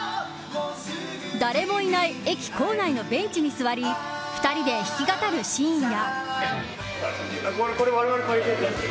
誰もいない駅構内のベンチに座り２人で弾き語るシーンや。